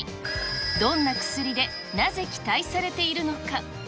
どんな薬で、なぜ期待されているのか。